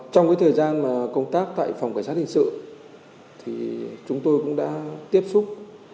trong thời gian mà công tác tại phòng cảnh sát hình sự thì chúng tôi cũng đã tiếp xúc